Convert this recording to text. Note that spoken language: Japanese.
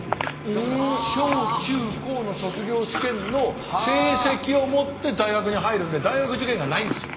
だから小中高の卒業試験の成績を持って大学に入るんで大学受験がないんですよ。